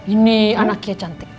ini anaknya cantik